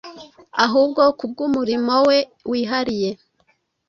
ahubwo kubw’umurimo we wihariye.